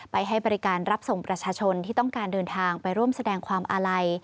ให้บริการรับส่งประชาชนที่ต้องการเดินทางไปร่วมแสดงความอาลัย